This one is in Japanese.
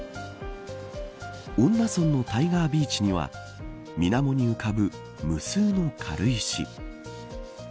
恩納村のタイガービーチには水面に浮かぶ無数の軽石。